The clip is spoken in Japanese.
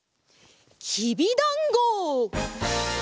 きびだんご！